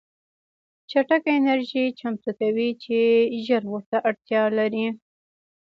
چټکه انرژي چمتو کوي چې ژر ورته اړتیا لري